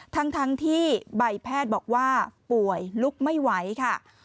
ทั้งที่ใบแพทย์บอกว่าป่วยลุกไม่ไหวค่ะ